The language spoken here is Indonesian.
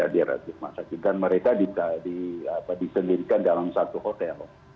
dan mereka disendirikan dalam satu hotel